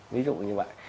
ví dụ như vậy